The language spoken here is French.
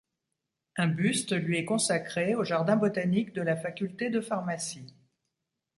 Un buste lui est consacré au jardin botanique de la faculté de pharmacie.